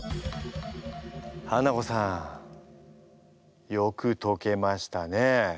ハナコさんよくとけましたね。